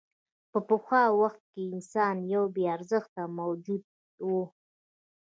په پخوا وخت کې انسان یو بېارزښته موجود و.